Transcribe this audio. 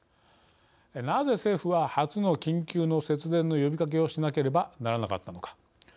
なぜ政府は初の緊急の節電の呼びかけをしなければならなかったのか。